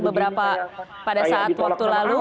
beberapa pada saat waktu lalu